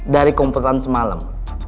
dari komputan semalam